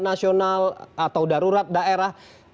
nasional atau darurat daerah